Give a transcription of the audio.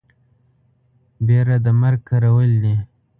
بيره د مرگ کرول دي.